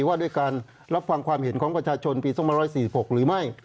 ว่าด้วยการรับฟังความเห็นของประชาชนปี๒๔๖หรือไม่